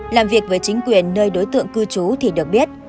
làm việc với chính quyền nơi đối tượng cư trú thì được biết